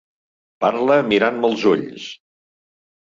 Parla mirant-me al ulls.